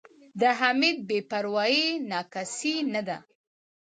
د حمید بې پروایي نا کسۍ نه ده.